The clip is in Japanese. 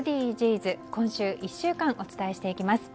今週１週間お伝えしていきます。